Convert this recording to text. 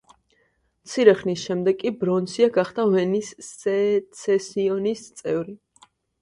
მცირე ხნის შემდეგ კი ბრონცია გახდა ვენის სეცესიონის წევრი.